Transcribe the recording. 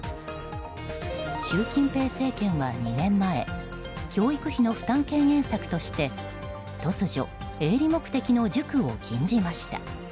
習近平政権は２年前教育費の負担軽減策として突如、営利目的の塾を禁じました。